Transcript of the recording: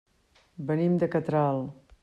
Venim de Catral.